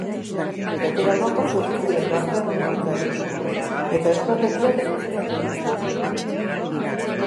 Beteranoak batu egin ziren gazteenen aurka egiteko, eta estrategiak funtzionatu egin zuen.